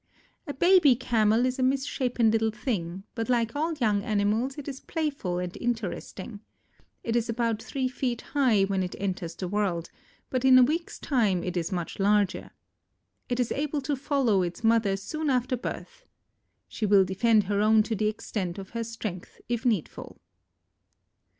A baby Camel is a misshapen little thing, but like all young animals it is playful and interesting. It is about three feet high when it enters the world, but in a week's time is much larger. It is able to follow its mother soon after birth. She will defend her own to the extent of her strength if needful.